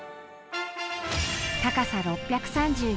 高さ６３４ｍ。